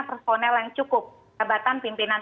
personel yang cukup jabatan pimpinan